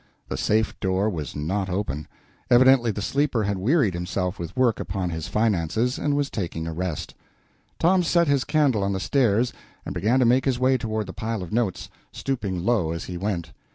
The safe door was not open. Evidently the sleeper had wearied himself with work upon his finances, and was taking a rest. Tom set his candle on the stairs, and began to make his way toward the pile of notes, stooping low as he went.